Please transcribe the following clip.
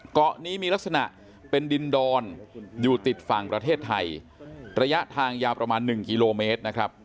เกาะนี้มีลักษณะเป็นดินดอนอยู่ติดฝั่งประเทศไทยระยะทางยาวประมาณ๑กิโลเมตรนะครับ